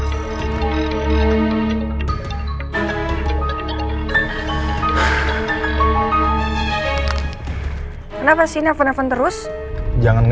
ayolah disipu orang orang ini